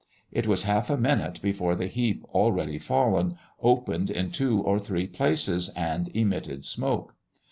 It was half a minute before the heap already fallen opened in two or three places, and emitted smoke.